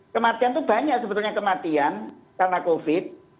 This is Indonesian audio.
kematian itu banyak sebetulnya kematian karena covid